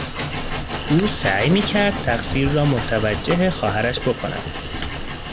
او سعی میکرد تقصیر را متوجه خواهرش بکند.